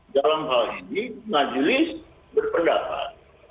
dalam hal ini majelis berpendapat